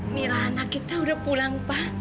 mira anak kita udah pulang pa